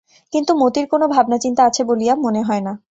কিন্তু মতির কোনো ভাবনাচিন্তা আছে বলিয়া মনে হয় না।